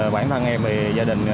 bản thân em thì gia đình